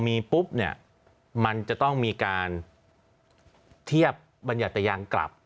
มีปุ๊บเนี่ยมันจะต้องมีการเทียบบรรยัตยางกลับ